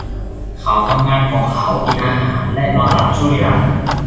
เขาทำงานของเขากินอาหารและนอนหลับชั่วนิรันดร์ !